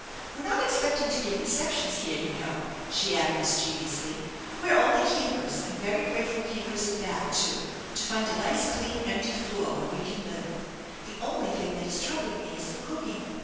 We're not expecting to give receptions here, you know," she added mischievously. " We're only campers, and very grateful campers at that, too, to find a nice, clean, empty floor where we can live. The only thing that is troubling me is the cooking.